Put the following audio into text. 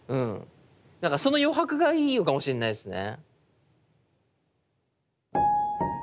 だからその余白がいいのかもしれないですね。